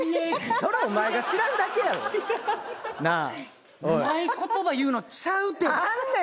それお前が知らんだけやろなあおいない言葉言うのちゃうてあんねん！